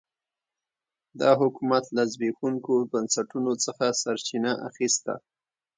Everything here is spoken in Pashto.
دا حکومت له زبېښونکو بنسټونو څخه سرچینه اخیسته.